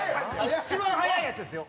一番速いやつですよ。